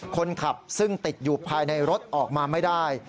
คนขับซึ่งติดอยู่ภายในรถออกมาไม่ได้